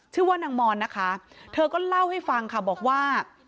ชื่อว่านางมอนนะคะเธอก็เล่าให้ฟังค่ะบอกว่า